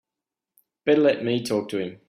Better let me talk to him.